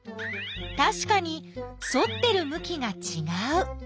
たしかに反ってるむきがちがう。